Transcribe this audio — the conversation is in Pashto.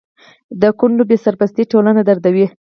د کونډو بې سرپرستي ټولنه دردوي.